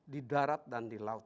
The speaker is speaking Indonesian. di darat dan di laut